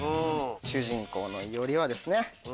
主人公の伊織はですね